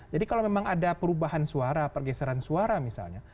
jadi kalau memang ada perubahan suara pergeseran suara misalnya